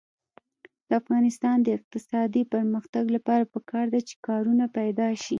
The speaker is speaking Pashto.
د افغانستان د اقتصادي پرمختګ لپاره پکار ده چې کارونه پیدا شي.